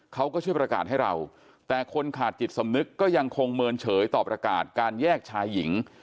เขาก็ช่วยประกาศให้เราแต่คนขาดจิตสำนึกก็ยังคงเมินเฉยต่อประกาศการแยกชายหญิง